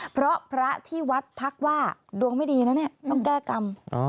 เพราะพระที่วัดทักว่าดวงไม่ดีนะเนี่ยต้องแก้กรรม